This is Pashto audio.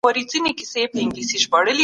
پولیسو شواهد راټول کړي وو.